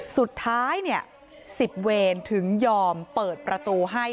สุดท้าย๑๐เวรถึงยอมเปิดประตูให้